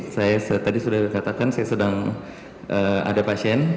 saya tadi sudah dikatakan saya sedang ada pasien